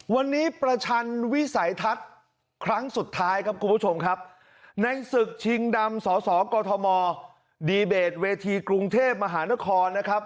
วันนี้ประชันวิสัยทัศน์ครั้งสุดท้ายครับคุณผู้ชมครับในศึกชิงดำสสกมดีเบตเวทีกรุงเทพมหานครนะครับ